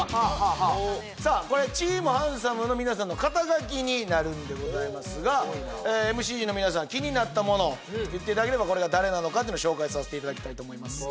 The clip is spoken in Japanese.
これチーム・ハンサム！の皆さんの肩書になるんでございますがＭＣ陣の皆さん気になったもの言っていただければこれが誰なのかっていうのを紹介させていただきたいと思います